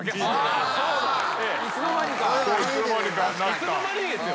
いつの間にですよ。